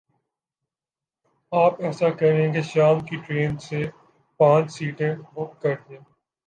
آپ ایسا کریں کے شام کی ٹرین میں پانچھ سیٹیں بک کر دیں۔